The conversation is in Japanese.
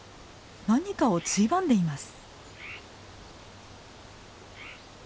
何かをついばんでいます。